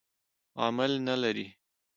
عمل نه لري.